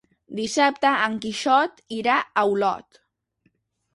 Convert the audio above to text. Dissabte en Quixot irà a Olot.